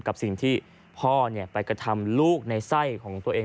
กับสิ่งที่พ่อไปกระทำลูกในไส้ของตัวเอง